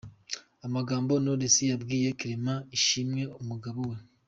Amagambo Knowless yabwiye Clement Ishimwe umugabo we.